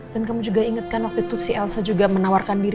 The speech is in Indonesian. dan kamu juga ingat kan waktu itu si elsa juga menawarkan diri